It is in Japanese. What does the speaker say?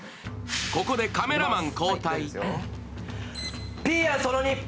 ここでカメラマン交代。